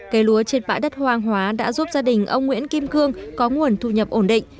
cây lúa trên bãi đất hoang hóa đã giúp gia đình ông nguyễn kim cương có nguồn thu nhập ổn định